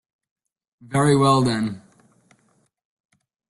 Very well, then.